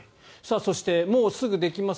そして、もう、すぐできます